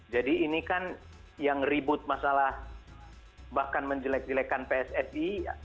jadi ini kan yang ribut masalah bahkan menjelek jelekkan pssi